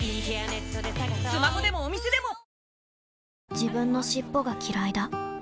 自分の尻尾がきらいだ